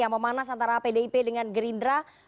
yang memanas antara pdip dengan gerindra